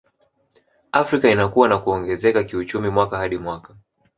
Afrika inakua na kuongezeka kiuchumi mwaka hadi mwaka